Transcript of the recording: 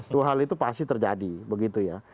dua hal itu pasti terjadi begitu ya